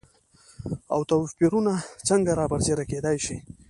او توپېرونه څنګه رابرسيره کېداي شي؟